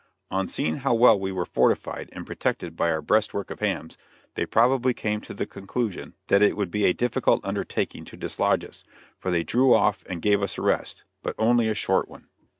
On seeing how well we were fortified and protected by our breastwork of hams, they probably came to the conclusion that it would be a difficult undertaking to dislodge us, for they drew off and gave us a rest, but only a short one.